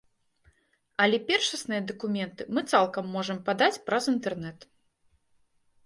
Але першасныя дакументы мы цалкам можам падаць праз інтэрнэт.